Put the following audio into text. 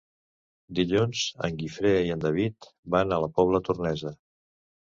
Dilluns en Guifré i en David van a la Pobla Tornesa.